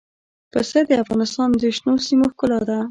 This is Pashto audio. پسه د افغانستان د شنو سیمو ښکلا ده.